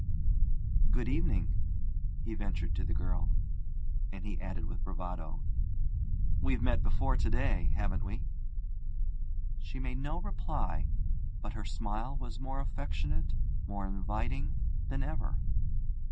'Good evening,' he ventured to the girl; and he added with bravado: 'We've met before to day, haven't we?' She made no reply, but her smile was more affectionate, more inviting, than ever.